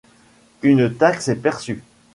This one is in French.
Une taxe est perçue.